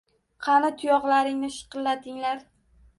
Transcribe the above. Qani, tuyoqlaringni shiqillatinglar